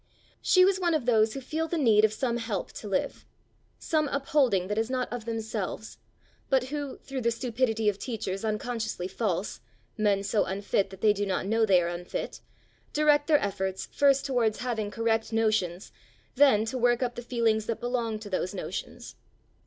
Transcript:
She was one of those who feel the need of some help to live some upholding that is not of themselves, but who, through the stupidity of teachers unconsciously false men so unfit that they do not know they are unfit direct their efforts, first towards having correct notions, then to work up the feelings that belong to those notions.